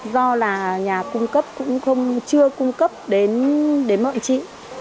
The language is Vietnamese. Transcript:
do là nhà cung cấp cũng chưa cung cấp đến mọi chị